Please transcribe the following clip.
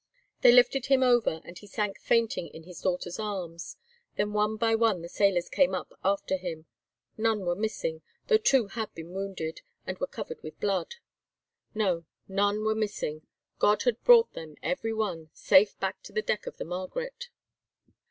They lifted him over, and he sank fainting in his daughter's arms. Then one by one the sailors came up after him—none were missing, though two had been wounded, and were covered with blood. No, none were missing—God had brought them, every one, safe back to the deck of the Margaret.